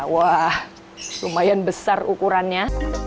wah lumayan besar ukurannya